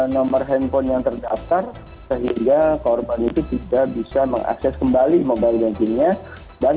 nomor handphone yang terdaftar sehingga korban itu tidak bisa mengakses kembali mobile bankingnya dan